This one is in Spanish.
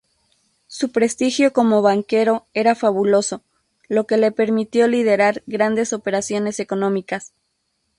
Su prestigio como banquero era fabuloso, lo que le permitió liderar grandes operaciones económicas.